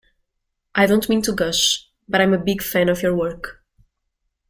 I don't mean to gush, but I'm a big fan of your work.